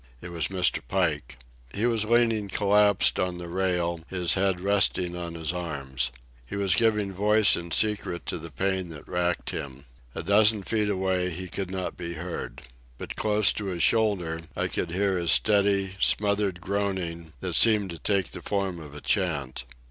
It was Mr. Pike. He was leaning collapsed on the rail, his head resting on his arms. He was giving voice in secret to the pain that racked him. A dozen feet away he could not be heard. But, close to his shoulder, I could hear his steady, smothered groaning that seemed to take the form of a chant.